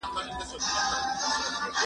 موږ باید د ژوند نورو ډګرونو ته هم پام وکړو.